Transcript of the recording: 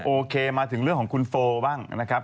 โอเคมาถึงเรื่องของคุณโฟบ้างนะครับ